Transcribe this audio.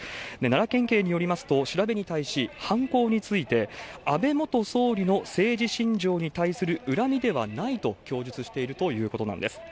奈良県警によりますと、調べに対し、犯行について、安倍元総理の政治信条に対する恨みではないと供述しているということなんです。